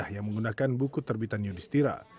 yang menggunakan buku terbitan yudhistira